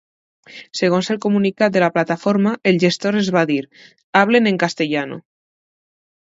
Segons el comunicat de la plataforma, el gestor els va dir: Hablen en castellano.